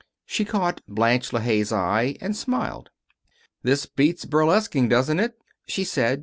She caught Blanche LeHaye's eye, and smiled. "This beats burlesquing, doesn't it?" she said.